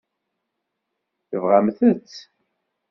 Tebɣamt-tt?